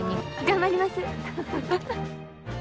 頑張ります。